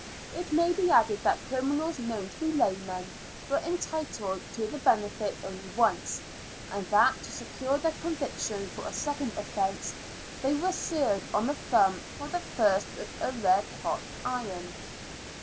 It may be added that criminals known to be laymen were ■entitled to the benefit only once, and that, to secure their conviction for a second offence, they were seared on the thumb for the first with a red hot iron.